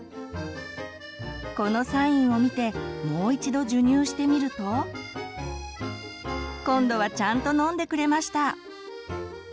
このサインを見てもう一度授乳してみると今度はちゃんと飲んでくれました！